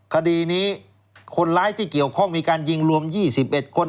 คดีนี้คนร้ายที่เกี่ยวข้องมีการยิงรวม๒๑คน